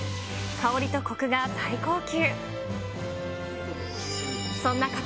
香りとこくが最高級。